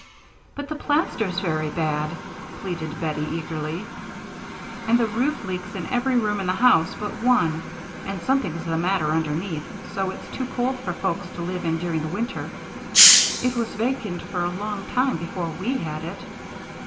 "But the plaster's very bad," pleaded Bettie, eagerly, "and the roof leaks in every room in the house but one, and something's the matter underneath so it's too cold for folks to live in during the winter. It was vacant for a long time before we had it."